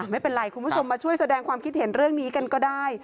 ไม่เป็นไรคุณผู้ชมมาช่วยแสดงความคิดเห็นเรื่องนี้กันก็ได้